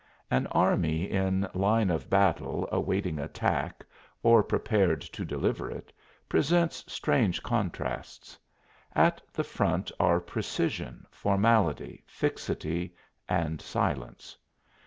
An army in line of battle awaiting attack, or prepared to deliver it, presents strange contrasts. At the front are precision, formality, fixity, and silence.